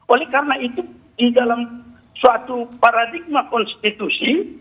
oleh karena itu di dalam suatu paradigma konstitusi